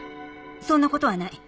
そんなことはない